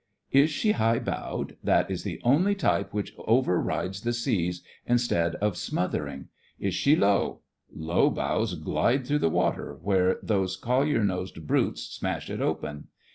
Is she high bowed.'* That is the only type which over rides the seas instead of smother ing. Is she low? Low bows glide through the water where those collier nosed brutes smash it open.